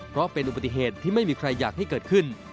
เพราะเป็นอุบัติเหตุที่ไม่มีใครอยากให้เกิดขึ้น